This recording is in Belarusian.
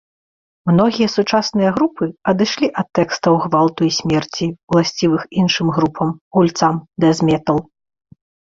Многія сучасныя групы адышлі ад тэкстаў гвалту і смерці, уласцівых іншым групам, гульцам дэз-метал.